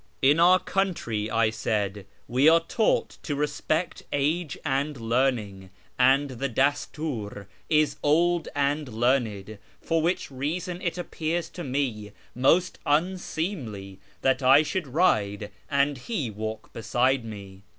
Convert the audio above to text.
" In our country," I said, " we are taught to respect age and learning, and the Dastur is old and learned, for which reason it appears to me most unseemly that I should ride and he walk beside me.